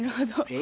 え？